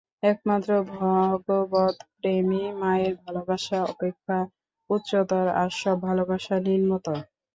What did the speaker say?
একমাত্র ভগবৎ-প্রেমই মায়ের ভালবাসা অপেক্ষা উচ্চতর, আর সব ভালবাসা নিম্নতর।